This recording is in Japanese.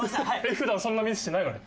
普段そんなミスしないのに。